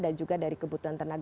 dan juga dari kebutuhan ternebaskan